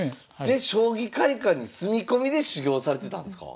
で将棋会館に住み込みで修業されてたんですか？